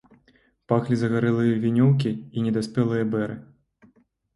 Пахлі загарэлыя вінёўкі і недаспелыя бэры.